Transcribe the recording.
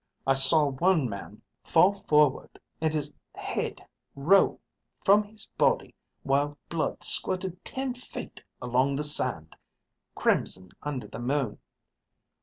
I saw one man fall forward and his head roll from his body while blood squirted ten feet along the sand, crimson under the moon.